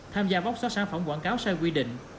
tham gia bóc xóa sản phẩm quảng cáo sai quy định